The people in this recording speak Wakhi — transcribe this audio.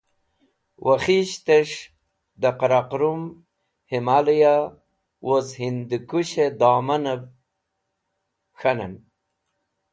Wakhiyistẽs̃h dẽ Qaraqẽrum, Hamaliya woz Hindukus̃hẽ domanẽv k̃hanen.